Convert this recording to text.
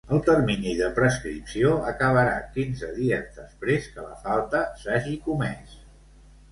El termini de prescripció acabarà quinze dies després que la falta s'hagi comès.